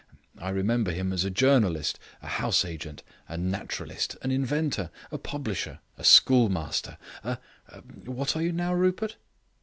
I remember him as a journalist, a house agent, a naturalist, an inventor, a publisher, a schoolmaster, a what are you now, Rupert?"